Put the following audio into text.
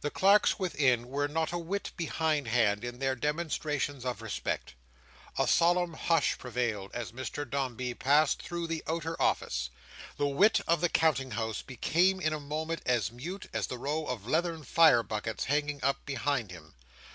The clerks within were not a whit behind hand in their demonstrations of respect. A solemn hush prevailed, as Mr Dombey passed through the outer office. The wit of the Counting House became in a moment as mute as the row of leathern fire buckets hanging up behind him.